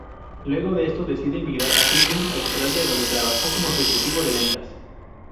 Luego de esto, decide emigrar a Sídney, Australia, donde trabajó como ejecutivo de ventas.